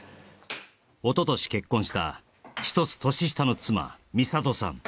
おととし結婚した１つ年下の妻美里さん